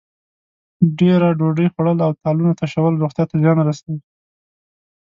ډېره ډوډۍ خوړل او تالونه تشول روغتیا ته زیان رسوي.